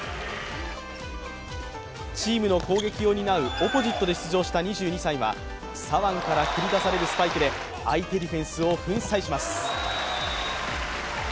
チームの攻撃を担うオポジットで出場した２２歳は左腕から繰り出されるスパイクで相手ディフェンスを粉砕します。